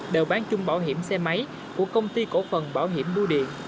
đều bán chung bảo hiểm xe máy của công ty cổ phần bảo hiểm bưu điện